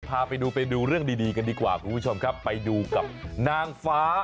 พาไปดูในการครับไปดูกับนางฟ้า